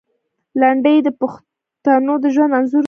لنډۍ د پښتنو د ژوند انځور دی.